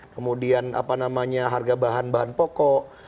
kemudian apa namanya harga bahan bahan pokok